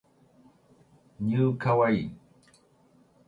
new kawaii